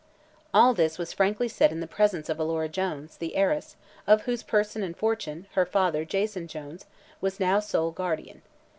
All this was frankly said in the presence of Alora Jones, the heiress, of whose person and fortune, her father, Jason Jones, was now sole guardian.